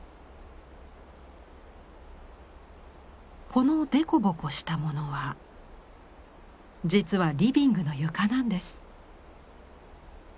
この凸凹したものは実はリビングの床なんです。